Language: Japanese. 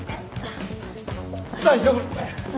大丈夫！